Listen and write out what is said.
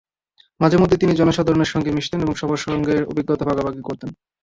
মাঝেমধ্যেই তিনি জনসাধারণের সঙ্গে মিশতেন এবং সবার সঙ্গে অভিজ্ঞতা ভাগাভাগি করতেন।